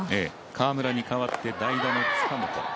川村に代わって代打の塚本。